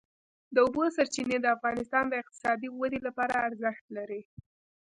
د اوبو سرچینې د افغانستان د اقتصادي ودې لپاره ارزښت لري.